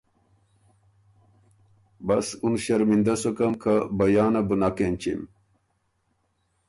بس اُن ݭرمندۀ سُکم که بیانه بو نک اېنچِم۔